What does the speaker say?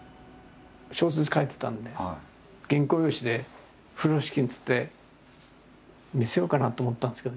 小説書いてたんで原稿用紙で風呂敷につって見せようかなと思ったんですけど。